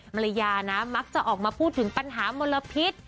ภรรยานะมักจะออกมาพูดถึงปัญหามลพิษ